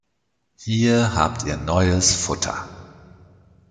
Hier habt ihr neues Futter.